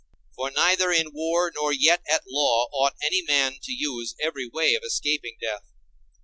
For neither in war nor yet at law ought any man to use every way of escaping death.